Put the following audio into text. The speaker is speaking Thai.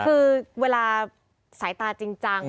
คือเวลาสายตาจริงจัง